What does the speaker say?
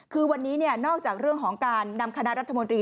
คือวันนี้นอกจากเรื่องของการนำคณะรัฐมนตรี